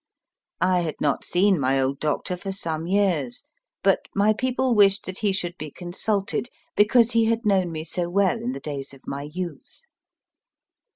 I had not seen my old doctor for some years, but my people wished that he should be consulted, because he had known me so well in the days of my youth.